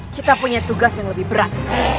kita punya tugas yang lebih berat